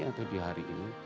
atau di hari ini